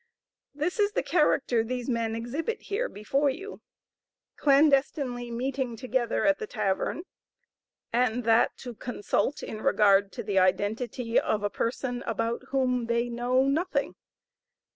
This is the character these men exhibit here before you; clandestinely meeting together at the tavern, and that to consult in regard to the identity of a person about whom they know nothing.